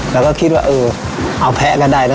แล้วก็คิดว่าเออเอาแพ้ก็ได้นะ